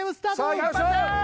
さあいきましょう！